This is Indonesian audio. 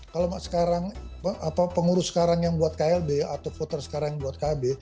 kalau sekarang pengurus sekarang yang buat klb atau voter sekarang yang buat kb